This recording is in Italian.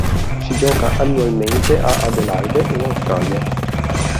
Si gioca annualmente a Adelaide in Australia.